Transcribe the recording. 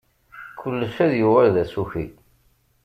Kullec ad yuɣal d asuki.